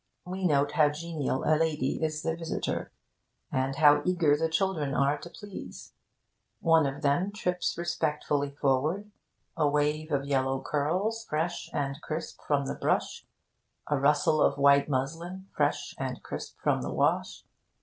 We note how genial a lady is the visitor, and how eager the children are to please. One of them trips respectfully forward a wave of yellow curls fresh and crisp from the brush, a rustle of white muslin fresh and crisp from the wash.